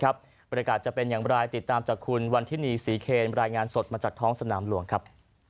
บรรยากาศจะเป็นอย่างไรติดตามจากคุณวันทินีศรีเคนรายงานสดมาจากท้องสนามหลวงครับ